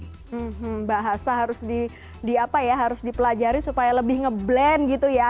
hmm hmm bahasa harus di apa ya harus dipelajari supaya lebih ngeblend gitu ya